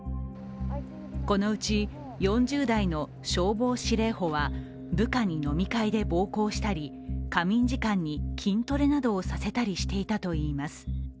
このうち４０代の消防司令補は部下に飲み会で暴行したり仮眠時間に筋トレなどをさせたりしていたといいます。